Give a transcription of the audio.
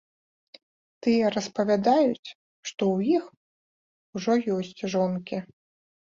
Тыя распавядаюць, што ў іх ўжо ёсць жонкі.